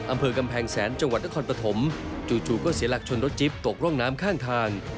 อำเภอกำแพงแสนจังหวัดนครปฐมจู่ก็เสียหลักชนรถจิ๊บตกร่องน้ำข้างทาง